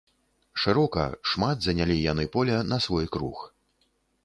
Шырока, шмат занялі яны поля на свой круг.